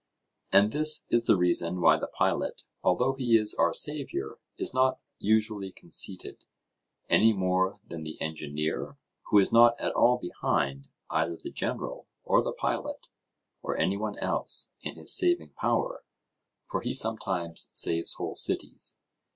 And this is the reason why the pilot, although he is our saviour, is not usually conceited, any more than the engineer, who is not at all behind either the general, or the pilot, or any one else, in his saving power, for he sometimes saves whole cities.